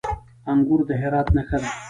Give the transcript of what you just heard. انګور د هرات نښه ده.